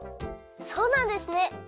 そうなんですね！